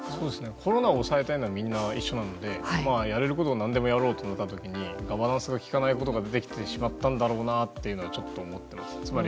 コロナを抑えたいのはみんな一緒なのでやれることは何でもやろうとなった時にガバナンスが効かないことが出てきてしまったんだろうなとちょっと思ったり。